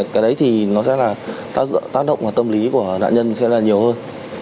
cái đấy thì nó sẽ là tác động vào tâm lý của nạn nhân sẽ là nhiều hơn